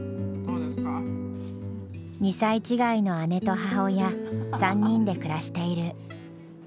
２歳違いの姉と母親３人で暮らしている。